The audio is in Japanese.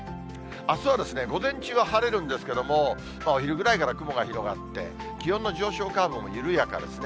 あすは午前中は晴れるんですけれども、お昼ぐらいから雲が広がって、気温の上昇カーブも緩やかですね。